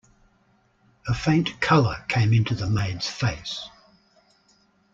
A faint colour came into the maid's face.